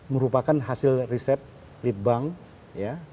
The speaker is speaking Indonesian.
merupakan hasil riset lead bank ya